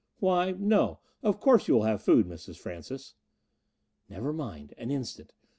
"Why? No, of course you will have food, Mrs. Francis." "Never mind! An instant.